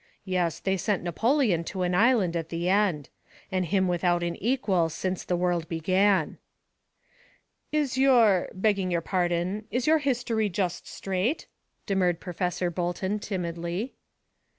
"Yes, they sent Napoleon to an island at the end. And him without an equal since the world began." "Is your begging your pardon is your history just straight?" demurred Professor Bolton timidly.